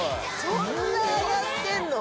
そんな上がってんの？